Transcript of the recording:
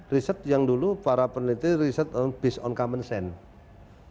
riset yang dulu para peneliti riset on based on common sense